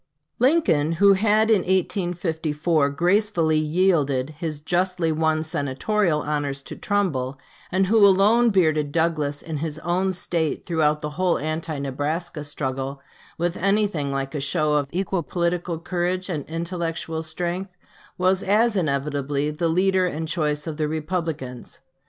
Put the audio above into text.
Lincoln, who had in 1854 gracefully yielded his justly won Senatorial honors to Trumbull, and who alone bearded Douglas in his own State throughout the whole anti Nebraska struggle, with anything like a show of equal political courage and intellectual strength, was as inevitably the leader and choice of the Republicans.